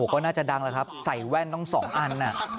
ก็น่าจะดังแล้วครับใส่แว่นต้อง๒อัน